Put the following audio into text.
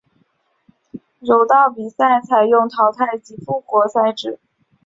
柔道比赛采用淘汰及复活赛制。